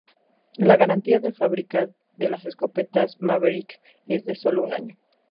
La garantía de fábrica de las escopetas Maverick es de solo un año.